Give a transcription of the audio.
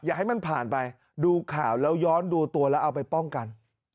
ให้มันผ่านไปดูข่าวแล้วย้อนดูตัวแล้วเอาไปป้องกัน